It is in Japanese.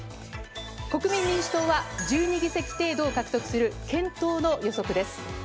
国民民主党は１２議席程度を獲得する健闘の予測です。